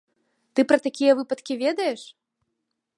Ты пра такія выпадкі ведаеш?